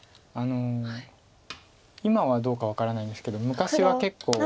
あの今はどうか分からないんですけど昔は結構。